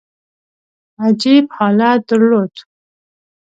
عجیب حالت درلود.